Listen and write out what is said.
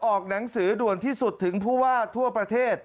ออกหนังสือด่วนที่สุดถึงผู้ว่าทั่วประเทศ